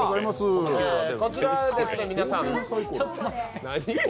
こちらですね、皆さん。